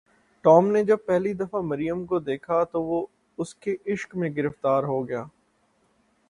Tom نے جب پہلی دفعہ مریم کو دیکھا تو وہ اس کے عشق میں گرفتار ہو گیا۔